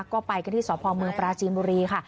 ก็ไปกันที่สพเมืองปราจีนบุรีค่ะ